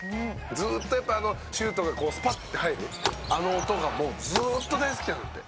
ずっとやっぱあのシュートがこうスパッて入るあの音がもうずーっと大好きなんだって。